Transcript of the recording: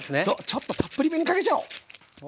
ちょっとたっぷりめにかけちゃおう。